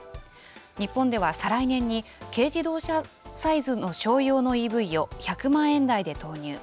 日本では再来年に軽自動車サイズの商用のＥＶを１００万円台で投入。